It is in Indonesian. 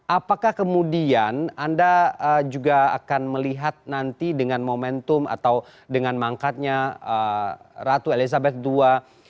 apakah kemudian anda juga akan melihat nanti dengan momentum atau dengan mangkatnya ratu elizabeth ii